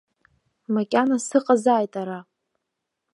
Макьана сыҟазааит ара!